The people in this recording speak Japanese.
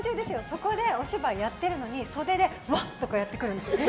そこでお芝居やってるのに袖で、わっ！とかやってくるんですよ。